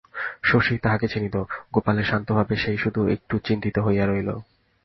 শশী তাহাকে চিনিত, গোপালের শান্তভাবে সেই শুধু একটু চিন্তিত হইয়া রহিল।